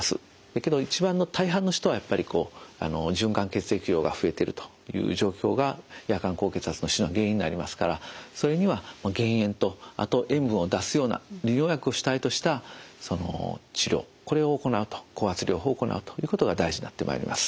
けど一番の大半の人はやっぱりこう循環血液量が増えてるという状況が夜間高血圧の主の原因になりますからそれには減塩とあと塩分を出すような利尿薬を主体とした治療これを行うと降圧療法を行うということが大事になってまいります。